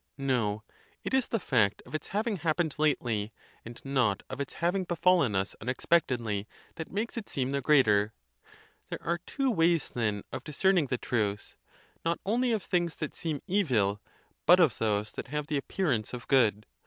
No, it is the fact of its having happened lately, and not of its having befallen us unexpectedly, that makes it seem the greater. There are two ways, then, of discerning the truth, not only of things that seem evil, but of those that have the appearance of good.